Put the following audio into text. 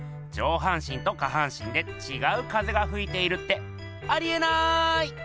上半身と下半身でちがう風がふいているってありえない！